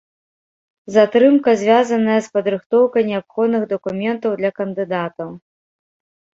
Затрымка звязаная з падрыхтоўкай неабходных дакументаў для кандыдатаў.